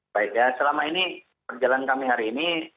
baik ya selama ini perjalanan kami hari ini